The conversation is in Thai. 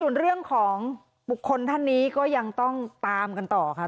ส่วนเรื่องของบุคคลท่านนี้ก็ยังต้องตามกันต่อค่ะ